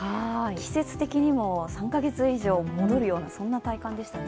季節的にも３カ月以上戻るようなそんな体感でした。